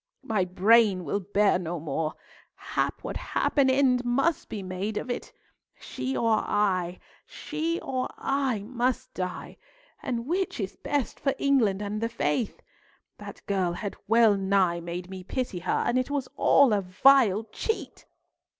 My brain will bear no more. Hap what hap, an end must be made of it. She or I, she or I must die; and which is best for England and the faith? That girl had well nigh made me pity her, and it was all a vile cheat!"